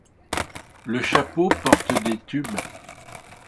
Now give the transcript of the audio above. Le chapeau porte des tubes.